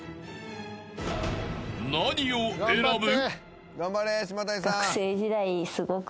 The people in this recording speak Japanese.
［何を選ぶ？］